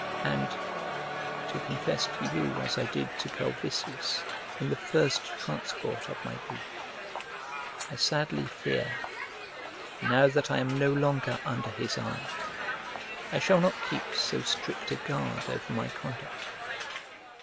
And to confess to you as I did to Calvisius, in the first transport of my grief I sadly fear, now that I am no longer under his eye, I shall not keep so strict a guard over my conduct.